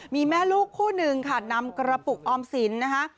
มีแม่ลูกคู่หนึ่งค่ะนำกระปุกออมสินนะคะ